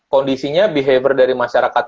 kondisinya behavior dari masyarakat